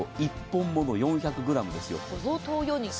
１本もの４００ｇですよ。